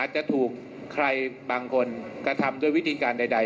เปรกับใครบางคนก็ดังใด